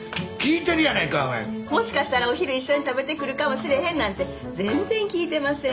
もしかしたらお昼一緒に食べてくるかもしれへんなんて全然聞いてません。